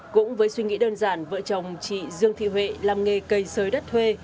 cũng với suy nghĩ đơn giản vợ chồng chị dương thị huệ làm nghề cây sới đất thuê